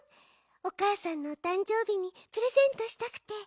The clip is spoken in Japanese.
おかあさんのおたんじょうびにプレゼントしたくて。